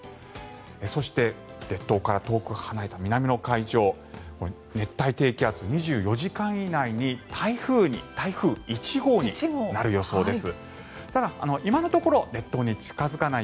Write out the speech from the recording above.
そして、列島から遠く離れた南の海上熱帯低気圧、２４時間以内に台風１号になる予想です。